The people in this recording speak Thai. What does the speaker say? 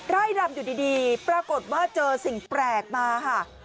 ไล่ลำอยู่ดีปรากฏว่าเจอสิ่งแปลกมาค่ะ